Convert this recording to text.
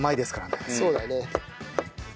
そうだね。